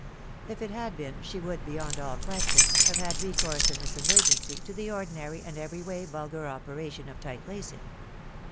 If it had been, she would, beyond all question, have had re course in this emergency to the ordinary and every way vulgar operation of tight lacing.